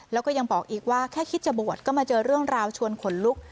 แล้วก็ยังบอกอีกว่าแค่คิดจะบวชก็มาเจอเรื่องราวชวนขนลุก